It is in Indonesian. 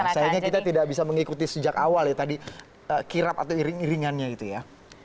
sayangnya kita tidak bisa mengikuti sejak awal ya tadi kirap atau iring iringannya gitu ya